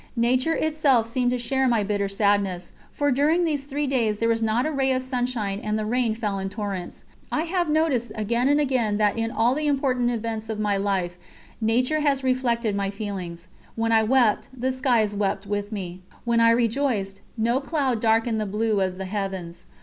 Nature itself seemed to share my bitter sadness, for during these three days there was not a ray of sunshine and the rain fell in torrents. I have noticed again and again that in all the important events of my life nature has reflected my feelings. When I wept, the skies wept with me; when I rejoiced, no cloud darkened the blue of the heavens.